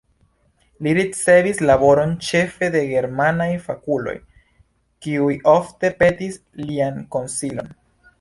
Li ricevis laboron ĉefe de germanaj fakuloj, kiuj ofte petis lian konsilon.